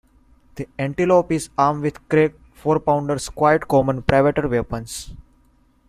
The "Antelope" is armed with cracked "four-pounders", quite common privateer weapons.